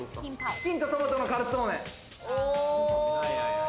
チキンとトマトのカルツォーネ。